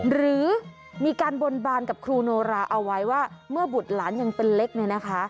หรือมีการบนบานกับครูโนราเอาไว้ว่าเมื่อบุตรหลานยังเป็นเล็กเนี่ยนะคะ